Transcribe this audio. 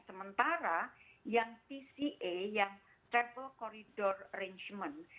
sementara yang pca yang travel corridor arrangement